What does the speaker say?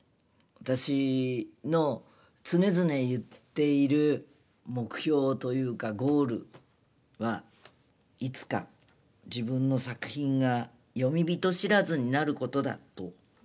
私の常々言っている目標というかゴールはいつか自分の作品が『詠み人知らず』になることだと。